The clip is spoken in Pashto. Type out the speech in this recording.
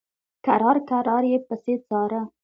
کرار کرار یې پسې څاره.